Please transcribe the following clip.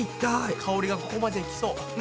香りがここまで来そう。